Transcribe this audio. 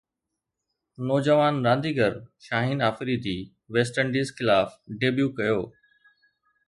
نوجوان رانديگر Shaheen Afridi West Indies خلاف ڊيبيو ڪيو